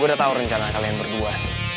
gue udah tahu rencana kalian berdua